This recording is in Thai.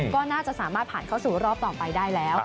ก็น่าจะสามารถผ่านเข้าสู่รอบต่อไปได้แล้ว